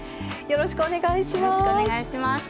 よろしくお願いします。